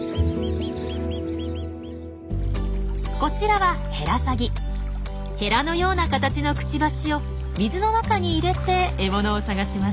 こちらはヘラのような形のくちばしを水の中に入れて獲物を探します。